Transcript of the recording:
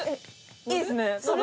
いいっすね。